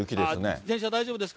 自転車大丈夫ですか？